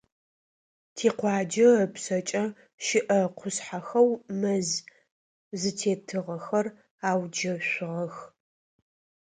Тикъуаджэ ыпшъэкӏэ щыӏэ къушъхьэхэу мэз зытетыгъэхэр ауджэшъугъэх.